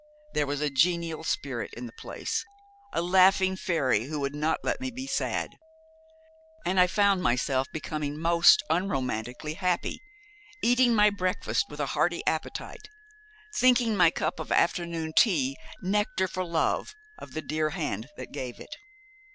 There was a genial spirit in the place, a laughing fairy who would not let me be sad; and I found myself becoming most unromantically happy, eating my breakfast with a hearty appetite, thinking my cup of afternoon tea nectar for love of the dear hand that gave it.